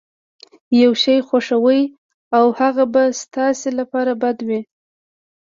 يو شی خوښوئ او هغه به ستاسې لپاره بد وي.